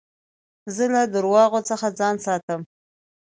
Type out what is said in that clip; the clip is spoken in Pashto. زه له درواغو څخه ځان ساتم.